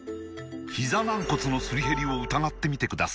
ひざ軟骨のすり減りを疑ってみてください